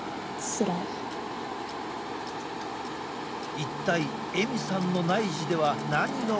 一体エミさんの内耳では何が起きていたのか。